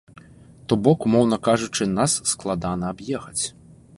То бок, умоўна кажучы, нас складана аб'ехаць.